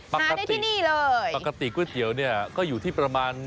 ปกติที่นี่เลยปกติก๋วยเตี๋ยวเนี่ยก็อยู่ที่ประมาณ